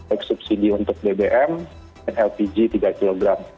baik subsidi untuk bbm dan lpg tiga kg